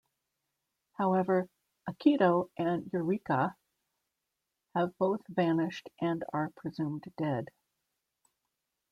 However, Akito and Yurika have both vanished and are presumed dead.